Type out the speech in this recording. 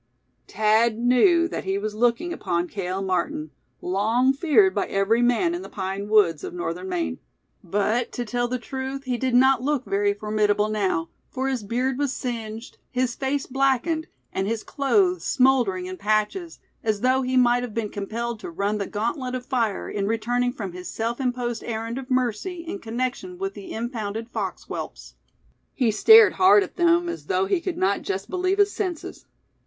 Thad knew that he was looking upon Cale Martin, long feared by every man in the pine woods of Northern Maine. But to tell the truth he did not look very formidable now; for his beard was singed, his face blackened, and his clothes smouldering in patches, as though he might have been compelled to run the gauntlet of fire in returning from his self imposed errand of mercy in connection with the impounded fox whelps. He stared hard at them as though he could not just believe his senses.